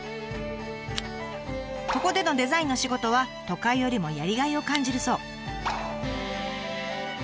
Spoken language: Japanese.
ここでのデザインの仕事は都会よりもやりがいを感じるそう。